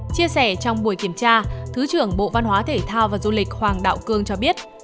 chia sẻ trong buổi kiểm tra thứ trưởng bộ văn hóa thể thao và du lịch hoàng đạo cương cho biết